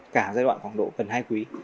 cả giai đoạn khoảng độ gần hai quý